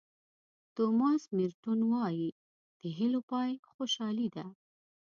توماس مېرټون وایي د هیلو پای خوشالي ده.